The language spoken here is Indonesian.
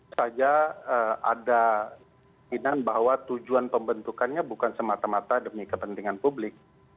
saja ada keinginan bahwa tujuan pembentukannya bukan semata mata demi kepentingan publik